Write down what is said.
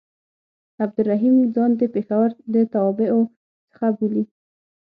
عبدالرحیم ځان د پېښور د توابعو څخه بولي.